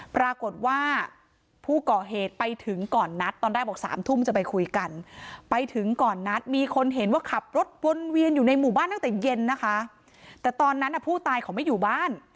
ปรากฏว่าผู้ก่อเหตุไปถึงก่อนนัดตอนแรกบอก๓ทุ่มจะไปคุยกัน